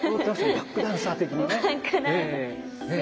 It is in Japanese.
バックダンサー的にね。